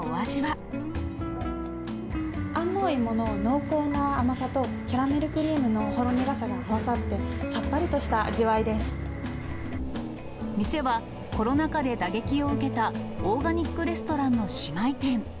安納芋の濃厚な甘さと、キャラメルクリームのほろ苦さが合わさって、さっぱりとした味わ店は、コロナ禍で打撃を受けた、オーガニックレストランの姉妹店。